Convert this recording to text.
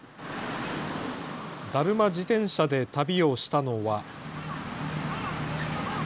ダルマ自転車で旅をしたのは。